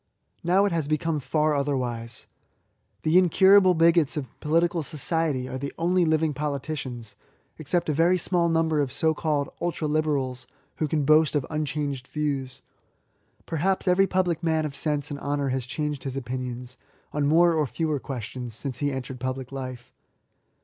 Now it has become far otherwise. The incurable bigots of political society are the only living politicians, except a very small number of so called ultra liberals, who can boast of unchanged views* Perhaps every public man of sense and honour has changed his opinions, on more or fewer questions, since he entered public life.